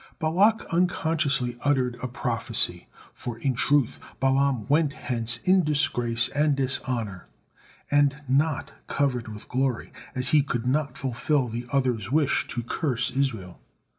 Balak unconsciously uttered a prophecy, for in truth Balaam went hence in disgrace and dishonor, and not covered with glory, as he could not fulfil the other's wish to curse Israel.